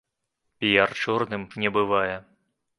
Піяр чорным не бывае?